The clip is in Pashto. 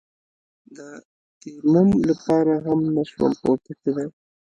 د تيمم لپاره هم نسوم پورته کېداى.